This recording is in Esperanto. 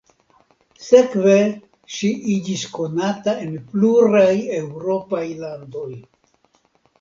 Sekve ŝi iĝis konata en pluraj eŭropaj landoj.